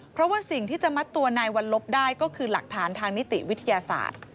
เพราะว่าสิ่งที่จะมัดตัวนายวัลลบได้ก็คือหลักฐานทางนิติวิทยาศาสตร์